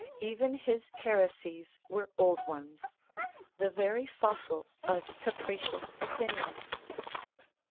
Even his heresies were old ones the very fossils of capricious opinion.